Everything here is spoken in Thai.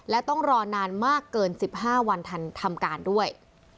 และต้องรอนานมากเกิน๑๕วันทันทำการด้วย